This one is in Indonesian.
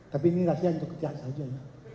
tapi ini rahasia untuk pihak saja ya